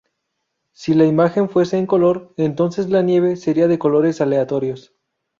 Si la imagen fuese en color, entonces la "nieve" sería de colores aleatorios.